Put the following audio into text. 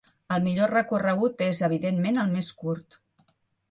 El millor recorregut és, evidentment, el més curt.